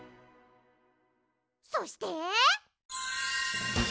そして。